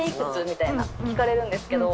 みたいな聞かれるんですけど。